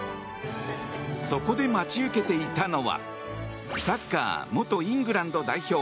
そこで待ち受けていたのはサッカー元イングランド代表